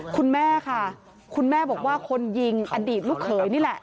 คุณแม่ค่ะคุณแม่บอกว่าคนยิงอดีตลูกเขยนี่แหละ